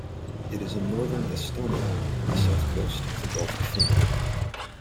It is in northern Estonia, on the south coast of the Gulf of Finland.